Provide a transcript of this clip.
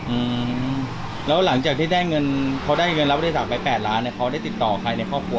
อืมแล้วหลังจากที่ได้เงินพอได้เงินรับบริจาคไปแปดล้านเนี้ยเขาได้ติดต่อใครในครอบครัว